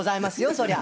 そりゃ。